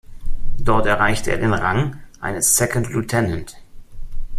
Dort erreichte er den Rang eines Second Lieutenant.